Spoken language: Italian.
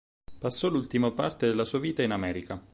Passò l'ultima parte della sua vita in America.